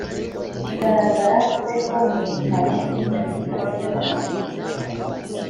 igaragara koko mu bitabo n inyandiko by abakiriya